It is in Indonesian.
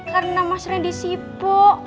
karena mas rendy sibuk